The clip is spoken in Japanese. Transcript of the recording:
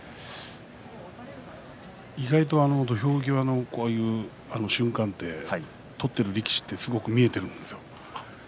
意外と土俵際の瞬間って取っている力士は見えているんですよ。